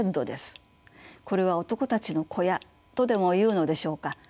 これは「男たちの小屋」とでもいうのでしょうか。